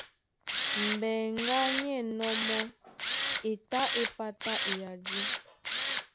Mbeŋgá ní ɛ̂nnɔ́ mɔ́, e tá é pátá eyadí.